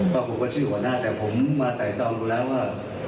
เพราะผมก็ชื่อหัวหน้าแต่ผมมาแต่ตอนรู้แล้วว่า